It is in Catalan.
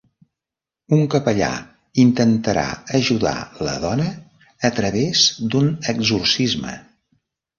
Un capellà intentarà ajudar la dona a través d'un exorcisme.